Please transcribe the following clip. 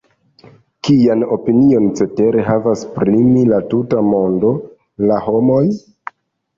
Kian opinion cetere havas pri mi la tuta mondo, la homoj?